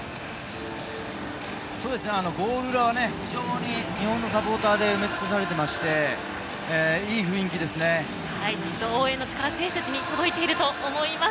ゴール裏は非常に日本のサポーターで埋め尽くされていまして応援の力選手たちに届いていると思います。